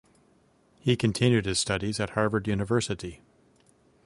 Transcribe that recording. He continued his studies at Harvard University.